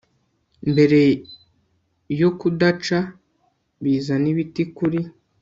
Mbere yo kudaca bizana ibiti kuri